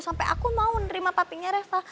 sampai aku mau nerima papinya reva